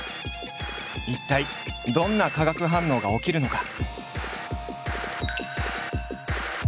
一体どんな化学反応が起きるのか？